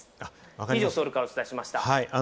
以上、ソウルからお伝えしました。